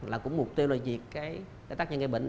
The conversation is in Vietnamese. là cũng mục tiêu là diệt cái tác nhân gây bệnh